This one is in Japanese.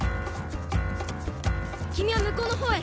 君はむこうの方へ。